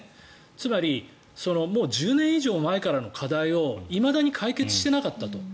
つまり１０年以上前からの課題をいまだに解決していなかったと。